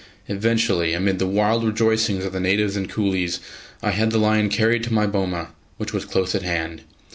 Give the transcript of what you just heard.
Eventually, amid the wild rejoicings of the natives and coolies, I had the lion carried to my boma, which was close at hand.